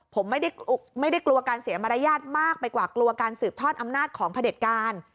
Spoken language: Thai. ผมไม่ได้กลัวการเสียมารยาทมากไปกว่ากลัวการสืบทอดอำนาจของพระเด็จการ